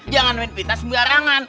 jangan main fitnah sembarangan